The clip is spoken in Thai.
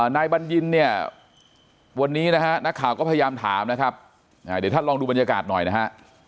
นายบัญญินเนี่ยวันนี้นะฮะนักข่าวก็พยายามถามนะครับเดี๋ยวท่านลองดูบรรยากาศหน่อยนะฮะ